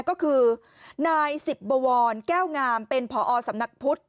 ก็คือนายสิบบวรแก้วงามเป็นผอสำนักพุทธ